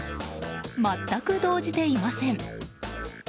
全く動じていません。